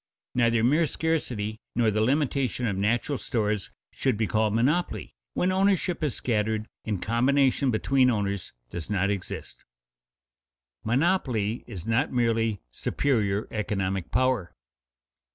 Neither mere scarcity nor the limitation of natural stores should be called monopoly when ownership is scattered and combination between owners does not exist. [Sidenote: Monopoly is not merely superior economic power] 3.